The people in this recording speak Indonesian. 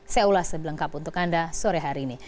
saya ulas sebelengkap untuk anda sore hari ini